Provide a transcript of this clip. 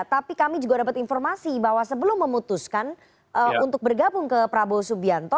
tapi kami juga dapat informasi bahwa sebelum memutuskan untuk bergabung ke prabowo subianto